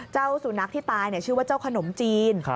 เจ้าสุนัขที่ตายชื่อว่าเจ้าขนมจีน